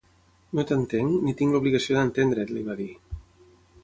No t’entenc ni tinc l’obligació d’entendre’t, li va dir.